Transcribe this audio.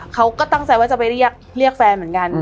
เขาก็ตั้งใจว่าจะไปเรียกแฟนเหมือนกัน